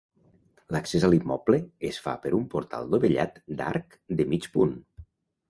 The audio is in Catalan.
L'accés a l'immoble es fa per un portal dovellat d'arc de mig punt.